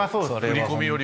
振り込みよりも。